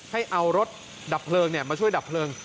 ให้เอารถดับเพลิงมาช่วยดับเพลิง